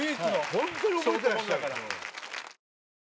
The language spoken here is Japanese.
ホントに覚えてらっしゃる。